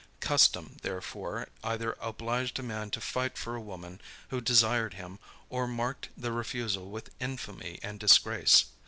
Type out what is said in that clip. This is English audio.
Custom, therefore, either obliged a man to fight for a woman who desired him, or marked the refusal with infamy and disgrace.